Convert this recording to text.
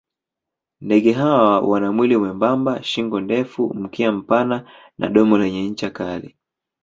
Ndege hawa wana mwili mwembamba, shingo ndefu, mkia mpana na domo lenye ncha kali.